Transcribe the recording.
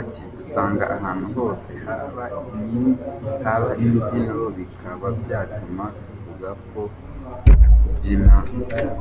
Ati Dusanga ahantu hose haba imbyino bikaba byatuma tuvuga yuko kubyina.